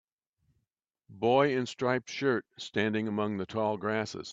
Boy in striped shirt standing among the tall grasses